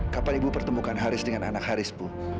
kapan ibu pertemukan haris dengan anak haris bu